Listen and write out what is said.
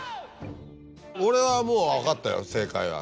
俺はもう分かったよ正解が。